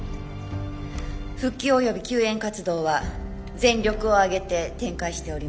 復旧および救援活動は全力を挙げて展開しております。